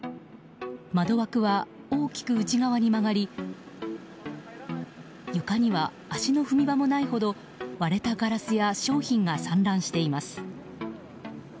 窓枠は大きく内側に曲がり床には足の踏み場もないほど割れたガラスや商品が散乱しています。